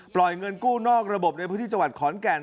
ปล่อยเงินกู้นอกระบบในพฤทธิจัวร์ขอนแก่น